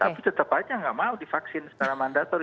tapi tetap aja nggak mau divaksin secara mandator